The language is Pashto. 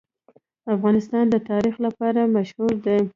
افغانستان د تاریخ لپاره مشهور دی.